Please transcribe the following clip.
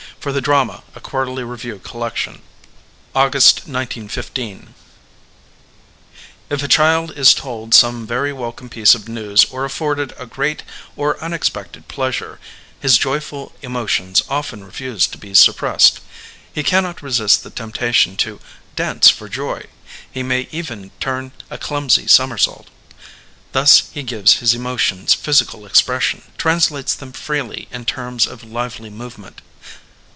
Digitized by Google THE EVOLUTION OF THE ACTOE '1 F a child is told some very welcome ■^ piece of news or afforded a great or unexpected pleasure, his joyful emotions often refuse to be suppressed. He can not resist the temptation to ''dance for joy ;'* he may even turn a clumsy somer sault. Thus he gives his emotions physi cal expression, translates them freely in terms of lively movement.